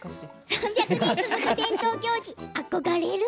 ３００年続く伝統行事、憧れる。